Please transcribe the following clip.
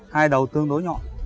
hai đầu tương đối nhọn